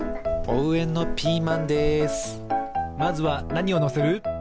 まずはなにをのせる？